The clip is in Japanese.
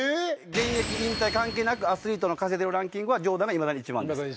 現役引退関係なくアスリートの稼いでるランキングはジョーダンがいまだに一番です。